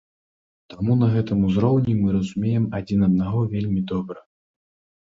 Таму на гэтым узроўні мы разумеем адзін аднаго вельмі добра.